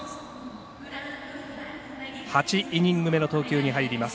８イニング目の投球に入ります。